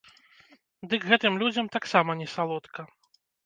Дык гэтым людзям таксама не салодка.